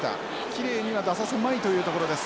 きれいには出させまいというところです。